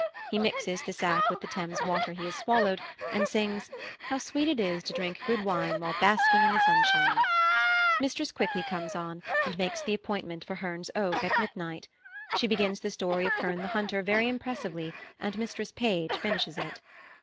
He mixes the sack with the Thames water he has swallowed, and sings, "How sweet it is to drink good wine while basking in the sunshine." Mistress Quickly comes on, and makes the appointment for Herne's oak at midnight. She begins the story of Herne the Hunter very impressively, and Mistress Page finishes it.